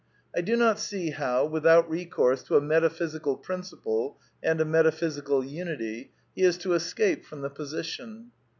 I do not see how, without re course to a metaphysical principle and a metaphysical unity, he is to escape from the position.